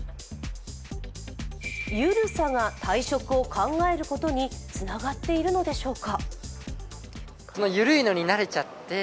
ゆるさが退職を考えることにつながっているのでしょうか？